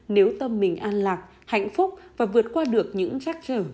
nếu tâm mình an lạc hạnh phúc và vượt qua được những trắc trở